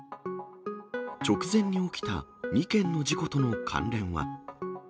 直前に起きた２件の事故との関連は。